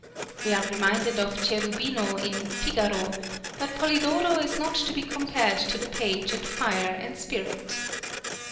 We are reminded of Cherubino in "Figaro," but Polidoro is not to be compared to the Page in fire and spirit.